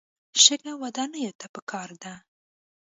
شګه ودانیو ته پکار ده.